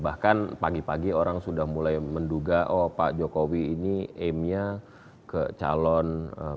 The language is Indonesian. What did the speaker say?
bahkan pagi pagi orang sudah mulai menduga oh pak jokowi ini aimnya ke calon